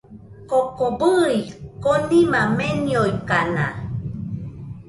Koko bɨe, konima meniokaina